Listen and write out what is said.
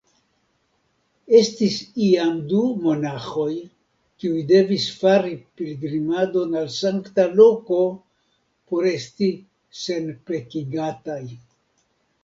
Estis iam du monaĥoj, kiuj devis fari pilgrimadon al sankta loko por esti senpekigataj.